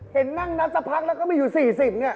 เห็นนั่งนับสักพักแล้วก็มีอยู่๔๐เนี่ย